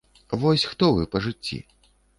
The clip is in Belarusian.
Вось хто вы па жыцці?